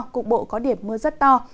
cục bộ có điểm mưa rất to